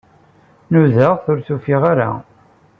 Nuda-ɣ-t, ur t-ufiɣ ara.